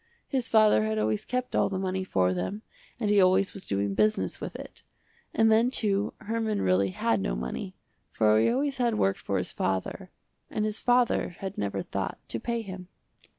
His father had always kept all the money for them and he always was doing business with it. And then too Herman really had no money, for he always had worked for his father, and his father had never thought to pay him.